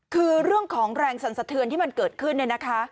คือเรื่องของแรงสรรสะเทือนที่มันเกิดขึ้นเนี่ยนะคะ